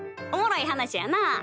おもろい話やな。